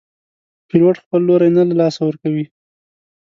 پیلوټ خپل لوری نه له لاسه ورکوي.